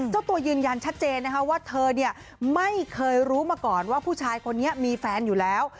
เจ้าตัวยืนยันชัดเจนนะคะว่าเธอไม่เคยรู้มาก่อนว่าผู้ชายคนนี้มีแฟนอยู่แล้ว